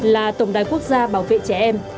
một trăm một mươi một là tổng đài quốc gia bảo vệ trẻ em